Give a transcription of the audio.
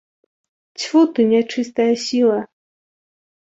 Цьфу ты, нячыстая сіла!